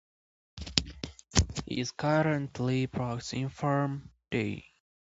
He is currently a practicing Pharm.D.